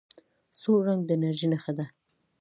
سور رنګ د انرژۍ نښه ده.